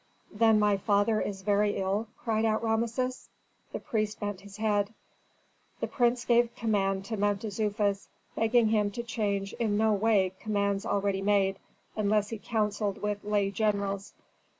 "Then my father is very ill?" cried out Rameses. The priest bent his head. The prince gave command to Mentezufis, begging him to change in no way commands already made, unless he counselled with lay generals.